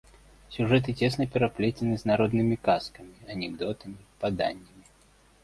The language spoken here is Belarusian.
Сюжэты цесна пераплецены з народнымі казкамі, анекдотамі, паданнямі.